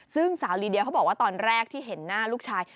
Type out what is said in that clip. ซึ่งสาวลีเดียเขาบอกว่าตอนแรกที่เห็นหน้าลูกชาย